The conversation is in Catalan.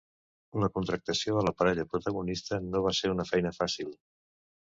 La contractació de la parella protagonista no va ser una feina fàcil.